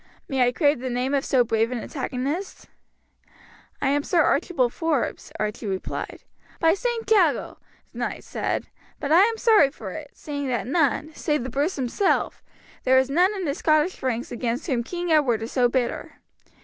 May I crave the name of so brave an antagonist?" "I am Sir Archibald Forbes," Archie replied. "By St. Jago!" the knight said, "but I am sorry for it, seeing that, save Bruce himself, there is none in the Scottish ranks against whom King Edward is so bitter.